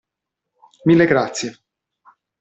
Mille grazie!